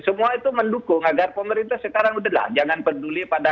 semua itu mendukung agar pemerintah sekarang udahlah jangan peduli pada